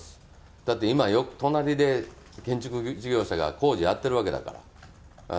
だって今、隣で建築事業者が工事やってるわけだから。